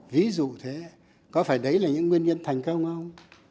ví dụ thế có phải đấy là những nguyên nhân thành công không